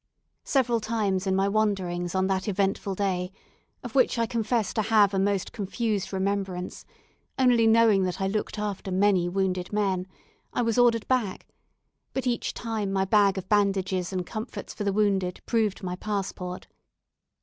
Several times in my wanderings on that eventful day, of which I confess to have a most confused remembrance, only knowing that I looked after many wounded men, I was ordered back, but each time my bag of bandages and comforts for the wounded proved my passport.